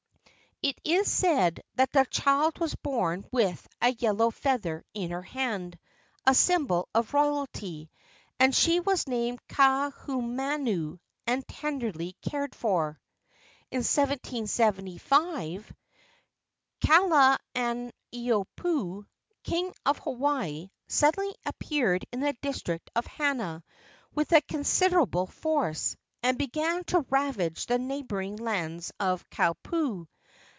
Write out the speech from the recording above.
It is said that the child was born with a yellow feather in her hand a symbol of royalty and she was named Kaahumanu and tenderly cared for. In 1775 Kalaniopuu, king of Hawaii, suddenly appeared in the district of Hana with a considerable force, and began to ravage the neighboring lands of Kaupo.